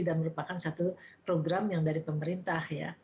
dan merupakan satu program yang dari pemerintah ya